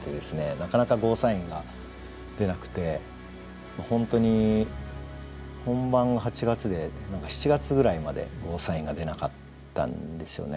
なかなかゴーサインが出なくて本当に本番８月で何か７月ぐらいまでゴーサインが出なかったんですよね。